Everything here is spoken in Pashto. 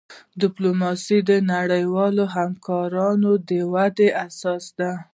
ډیپلوماسي د نړیوالی همکاری د ودي اساس دی.